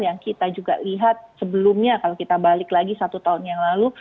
yang kita juga lihat sebelumnya kalau kita balik lagi satu tahun yang lalu